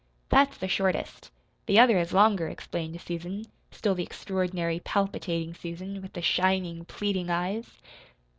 "That's the shortest the other is longer," explained Susan, still the extraordinary, palpitating Susan, with the shining, pleading eyes.